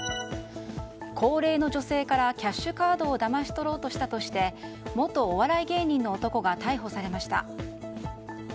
高齢の女性からキャッシュカードをだまし取ろうとしたとして元お笑い芸人の男が逮捕されました。